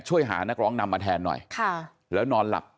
ช่วยหานักร้องนำมาแทนหน่อยค่ะแล้วนอนหลับ